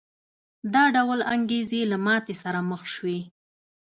دا ډول انګېزې له ماتې سره مخ شوې.